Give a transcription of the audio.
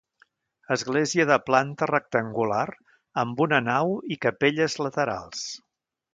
Església de planta rectangular, amb una nau i capelles laterals.